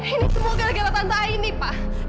ini semua gara gara tante aini pak